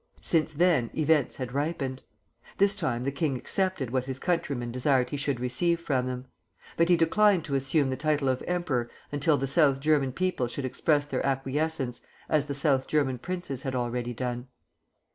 Since then events had ripened. This time the king accepted what his countrymen desired he should receive from them. But he declined to assume the title of emperor until the South German people should express their acquiescence, as the South German princes had already done.